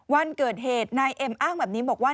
วันเกิดเหตุนายเอ็มอ้างแบบนี้บอกว่า